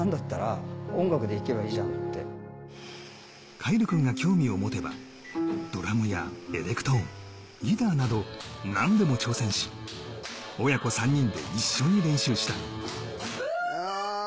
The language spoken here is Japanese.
凱成君が興味を持てばドラムやエレクトーン、ギターなど何でも挑戦し、親子３人で一緒に練習した。